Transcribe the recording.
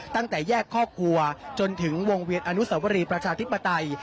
ตั้งแต่แยกครอบครัวจนถึงวงเวียนอนุสวรีประชาธิปไตย